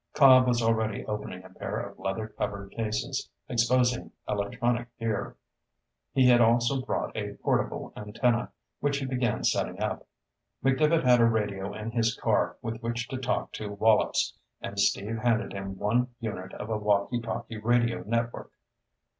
Cobb was already opening a pair of leather covered cases, exposing electronic gear. He had also brought a portable antenna, which he began setting up. McDevitt had a radio in his car with which to talk to Wallops, and Steve handed him one unit of a walkie talkie radio network.